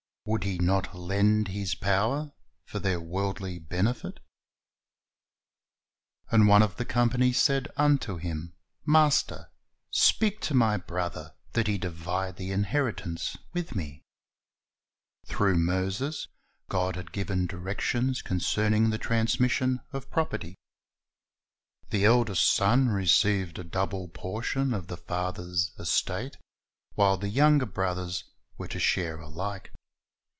Would He not lend His oower for their worldly benefit? (252) Based on Luke 12: 13 21 Gai)i Til at Is Loss 253 "And one of the company said unto Him, Master, speak to my brother, that he divide the inheritance with me." Through Moses, God had given directions concerning the transmission of property. The eldest son received a double portion of the father's estate,^ while the younger brothers were to share alike.